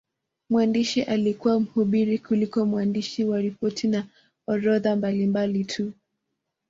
Mwandishi alikuwa mhubiri kuliko mwandishi wa ripoti na orodha mbalimbali tu.